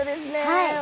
はい！